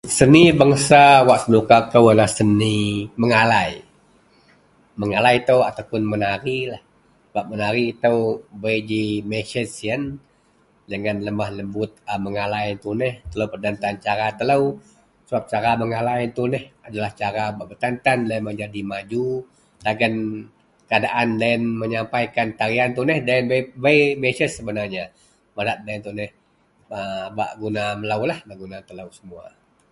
Seni bangsa wak senuka kou adalah seni megalai, megalai itou ataupun menarilah sebab menari itou bei ji masej sien dengan lemah lembut a megalai ien tuneh, telou peden tan cara telou sebab cara megalai ien tuneh adalah cara bak tan tan loien bak jadi maju dagen keadaan loien menyapaikan tarian tuneh deloien bei masej sebenarnya padak loien tuneh a bak guna meloulah bak guna telo semua